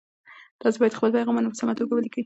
تاسي باید خپل پیغامونه په سمه توګه ولیکئ.